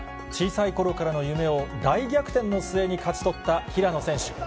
小さいころからの夢を、大逆転の末に勝ち取った平野選手。